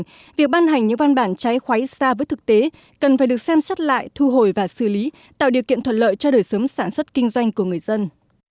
vì vậy việc ban hành những văn bản trái khoái xa với thực tế cần phải được xem xét lại thu hồi và xử lý tạo điều kiện thuận lợi cho đời sống sản xuất kinh doanh của người dân